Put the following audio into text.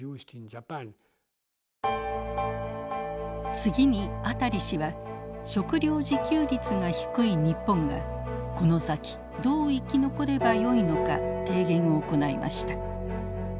次にアタリ氏は食料自給率が低い日本がこの先どう生き残ればよいのか提言を行いました。